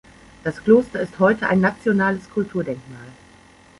Das Kloster ist heute ein Nationales Kulturdenkmal.